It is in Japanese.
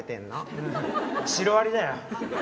うんシロアリだよ。